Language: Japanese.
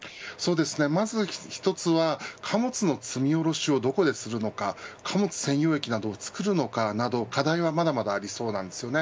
まず一つは貨物の積み降ろしをどこでするのか貨物専用駅などを作るのかなど課題はまだまだありそうです。